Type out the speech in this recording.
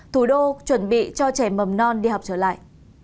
thủ đô chuẩn bị cho trẻ mầm non đi học trở lại